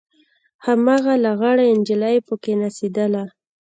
هماغه لغړه نجلۍ پکښې نڅېدله.